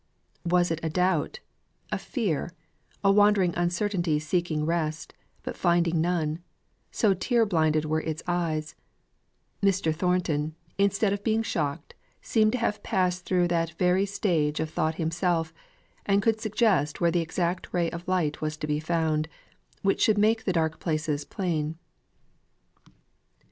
Was it a doubt a fear a wandering uncertainty seeking rest, but finding none so tear blinded were its eyes Mr. Thornton, instead of being shocked, seemed to have passed through that very stage of thought himself, and could suggest where the exact ray of light was to be found, which should make the dark places plain.